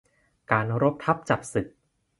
การรบทัพจับศึก